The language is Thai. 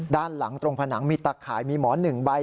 ด้านหลังตรงผนังมีตักขายมีหมอนหนึ่งใบ